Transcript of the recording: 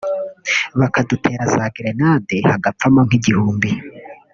bakadutera za gerenade hagapfamo nk’igihumbi